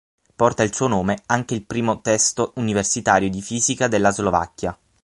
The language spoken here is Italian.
Porta il suo nome anche il primo testo universitario di fisica della Slovacchia.